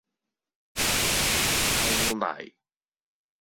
摳泥